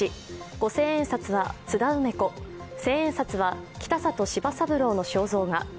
五千円札は津田梅子、千円札は北里柴三郎の肖像が。